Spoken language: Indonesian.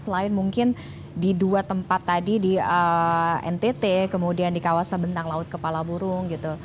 selain mungkin di dua tempat tadi di ntt kemudian di bumt